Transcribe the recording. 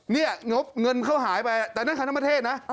เงินเขาหายไปแต่นั่นคันธรรมเทศนะ